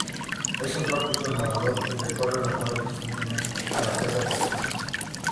Es un rápido nadador y recorre el acuario constantemente a la caza de presas.